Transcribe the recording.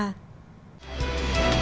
chuyện việt nam